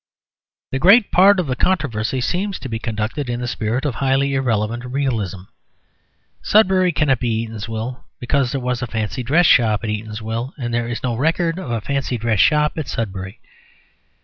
The great part of the controversy seems to be conducted in the spirit of highly irrelevant realism. Sudbury cannot be Eatanswill, because there was a fancy dress shop at Eatanswill, and there is no record of a fancy dress shop at Sudbury.